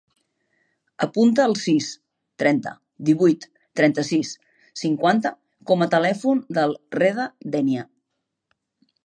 Apunta el sis, trenta, divuit, trenta-sis, cinquanta com a telèfon del Reda Denia.